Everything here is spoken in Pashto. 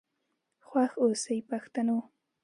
خوښ آوسئ پښتنو.